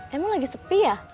emang lagi sepi ya